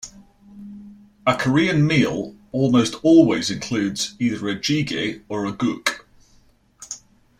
A Korean meal almost always includes either a "jjigae" or a "guk".